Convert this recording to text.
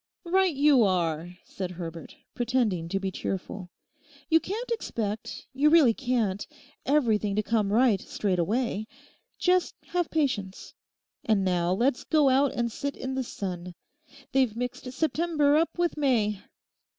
'Right you are,' said Herbert, pretending to be cheerful. 'You can't expect, you really can't, everything to come right straight away. Just have patience. And now, let's go out and sit in the sun. They've mixed September up with May.